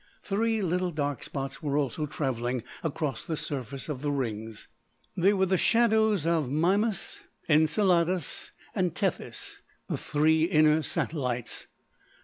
Three little dark spots were also travelling across the surface of the rings. They were the shadows of Mimas, Enceladus, and Tethys, the three inner satellites.